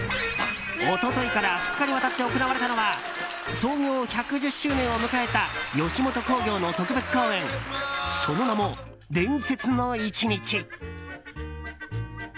一昨日から２日にわたって行われたのは創業１１０周年を迎えた吉本興業の特別公演その名も、「伝説の一日」。